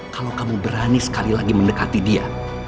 kalau kamu berani sekali lagi mendekati dia